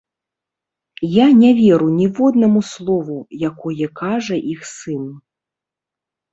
Я не веру ніводнаму слову, якое кажа іх сын.